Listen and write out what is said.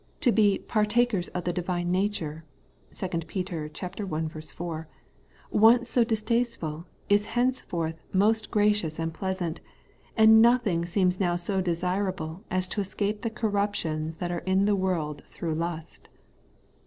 To be ' partakers of the divine nature ' (2 Pet. i 4), once so distasteful, is henceforth most grateful and pleasant ; and nothing seems now so desirable as to escape the corruptions that are in the world through lust.